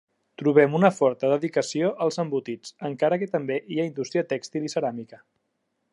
Trobem una forta dedicació als embotits, encara que també hi ha indústria tèxtil i ceràmica.